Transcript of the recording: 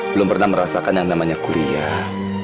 belum pernah merasakan yang namanya kuliah